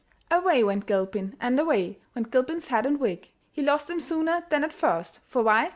Away went Gilpin, and away Went Gilpin's hat and wig; He lost them sooner than at first, For why?